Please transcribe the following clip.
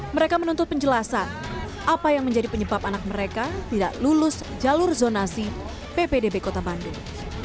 mereka menuntut penjelasan apa yang menjadi penyebab anak mereka tidak lulus jalur zonasi ppdb kota bandung